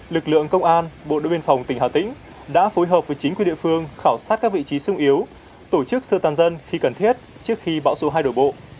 lực lượng công an bộ đội biên phòng tỉnh hà tĩnh đã phối hợp với chính quyền địa phương khảo sát các vị trí sung yếu tổ chức sơ tán dân khi cần thiết trước khi bão số hai đổ bộ